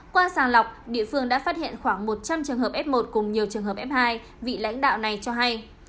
qua sàng lọc địa phương đã phát hiện khoảng một trăm linh trường hợp f một cùng nhiều trường hợp f hai vị lãnh đạo này cho hay